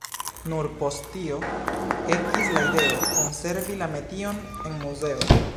Nur post tio ekis la ideo, konservi la metion en muzeo.